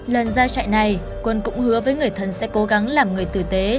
lần ra chạy này quân cũng hứa với người thân sẽ cố gắng làm người tử tế